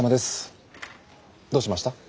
どうしました？